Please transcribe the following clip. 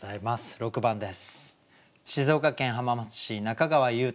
６番です。